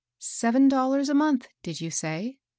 " Seven dollars a month, did you say